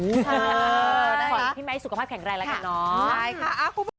ขอให้พี่ไมค์สุขภาพแข็งแรงแล้วกันเนาะ